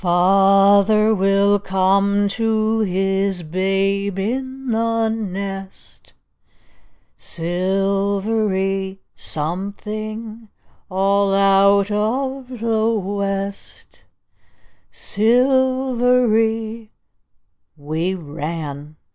Father will come to his babe in the nest S silvery something all out of the West Silvery We ran!